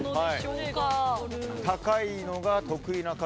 高いのが得意な方。